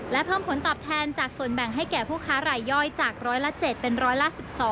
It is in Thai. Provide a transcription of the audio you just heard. และเพิ่มผลตอบแทนจากส่วนแบ่งให้แก่ผู้ค้ารายย่อยจากร้อยละ๗เป็นร้อยละ๑๒